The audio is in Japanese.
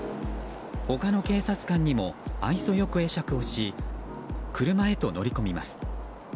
他の警察官にも愛想良く会釈をし車へと乗り込みます。